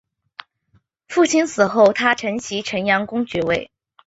父亲死后他承袭城阳公爵位。